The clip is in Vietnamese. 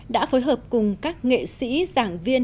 đã phối hợp cùng các nghệ sĩ giảng viên